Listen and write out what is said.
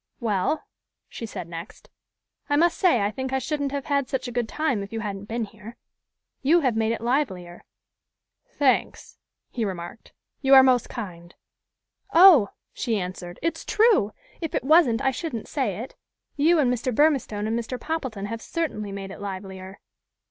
"Well," she said, next, "I must say I think I shouldn't have had such a good time if you hadn't been here. You have made it livelier." "Tha anks," he remarked. "You are most kind." "Oh!" she answered, "it's true. If it wasn't, I shouldn't say it. You and Mr. Burmistone and Mr. Poppleton have certainly made it livelier."